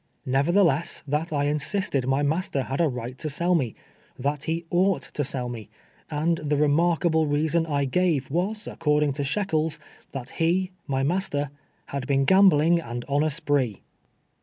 — nevertheless, that I insisted my master had a right to sell me ; that he oucjld to sell me ; and the remarkable reason I gave was, according to Shekels, because he, my master, "had been gambling and on a spree